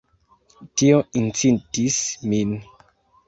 Tio incitis min.